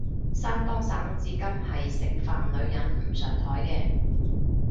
山東省至今係食飯女人唔上枱嘅